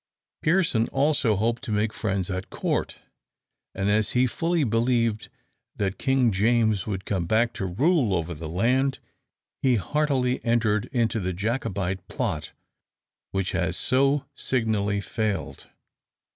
Pearson also hoped to make friends at court; and as he fully believed that King James would come back to rule over the land, he heartily entered into the Jacobite plot, which has so signally failed."